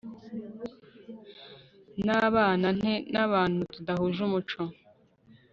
nabana nte n'abantu tudahuje umuco